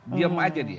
diam saja dia